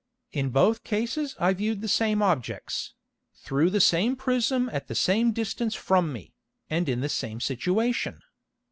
In both Cases I view'd the same Objects, through the same Prism at the same distance from me, and in the same Situation.